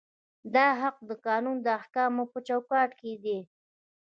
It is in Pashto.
دا حق د قانون د احکامو په چوکاټ کې دی.